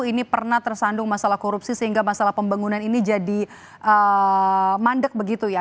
ini pernah tersandung masalah korupsi sehingga masalah pembangunan ini jadi mandek begitu ya